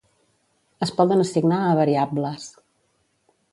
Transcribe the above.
Es poden assignar a variables.